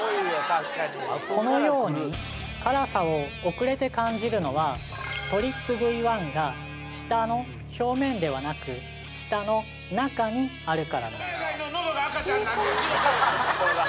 このように辛さを遅れて感じるのはＴＲＰＶ１が舌の表面ではなく舌の中にあるからなんですのどが赤ちゃんなんです